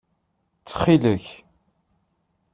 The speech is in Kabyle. Ttxil-k.